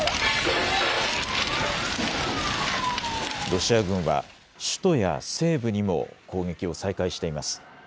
ロシア軍は首都や西部にも攻撃を再開しています。